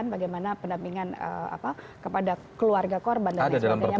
bagaimana pendampingan kepada keluarga korban dan lain sebagainya